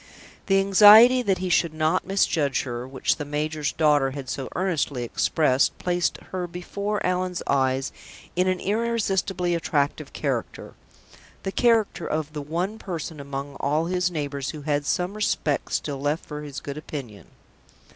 The anxiety that he should not misjudge her, which the major's daughter had so earnestly expressed, placed her before Allan's eyes in an irresistibly attractive character the character of the one person among all his neighbors who had some respect still left for his good opinion.